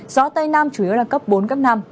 gió tây nam chủ yếu là cấp bốn cấp năm